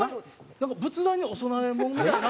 なんか仏壇にお供え物みたいな。